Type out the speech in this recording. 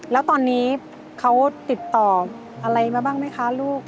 แล้วตอนนี้เขาติดต่ออะไรมาบ้างไหมคะลูก